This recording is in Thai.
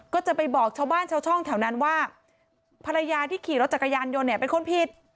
ก็จะไปบอกชาวบ้านชาวช่องแถวนั้นว่าภรรยาที่ขี่รถจักรยานยนต์เนี่ยเป็นคนผิด